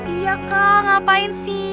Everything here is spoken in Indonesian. iya kal ngapain sih